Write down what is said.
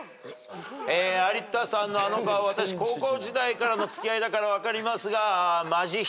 有田さんのあの顔私高校時代からの付き合いだから分かりますが。